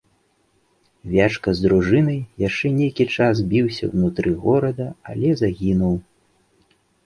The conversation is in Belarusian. Вячка з дружынай яшчэ нейкі час біўся ўнутры горада, але загінуў.